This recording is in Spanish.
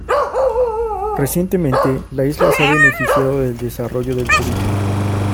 Recientemente la isla se ha beneficiado del desarrollo del turismo.